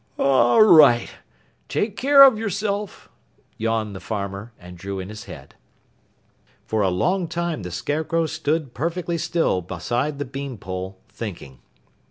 "All right! Take care of yourself," yawned the farmer, and drew in his head. For a long time the Scarecrow stood perfectly still beside the bean pole thinking.